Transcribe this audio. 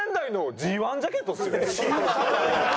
Ｇ−１ジャケット？